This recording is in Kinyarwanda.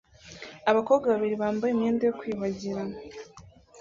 Abakobwa babiri bambaye imyenda yo kwiyuhagira